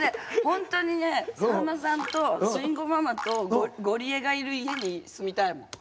ホントにねさんまさんと慎吾ママとゴリエがいる家に住みたいもん。